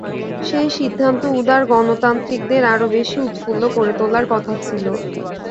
সেই সিদ্ধান্ত উদার গণতন্ত্রীদের আরও বেশি উৎফুল্ল করে তোলার কথা ছিল।